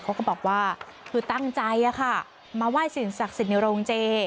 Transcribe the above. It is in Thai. เขาก็บอกว่าคือตั้งใจอะค่ะมาไหว้ศิลป์ศักดิ์ศิลป์ในโรงเจ